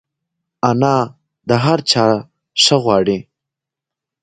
انا د هر چا ښه غواړي